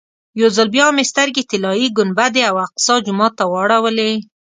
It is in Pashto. یو ځل بیا مې سترګې طلایي ګنبدې او اقصی جومات ته واړولې.